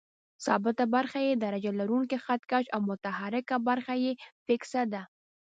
ثابته برخه یې درجه لرونکی خط کش او متحرکه برخه یې فکسه ده.